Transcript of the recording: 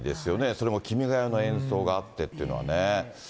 それも君が代の演奏があってっていうのはね。